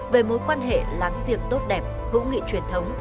về mối quan hệ láng giềng tốt đẹp hữu nghị truyền thống